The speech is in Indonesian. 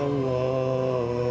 cantik banget non